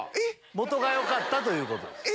元がよかったということです。